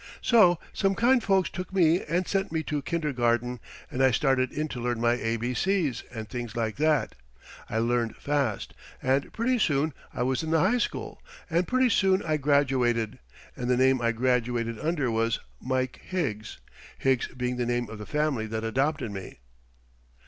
So some kind folks took me and sent me to kinder garden, and I started in to learn my A B C's and things like that. I learned fast, and pretty soon I was in the high school, and pretty soon I graduated, and the name I graduated under was Mike Higgs, Higgs being the name of the family that adopted me."